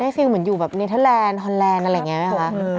ฟิลเหมือนอยู่แบบเนเทอร์แลนดฮอนแลนด์อะไรอย่างนี้ไหมคะ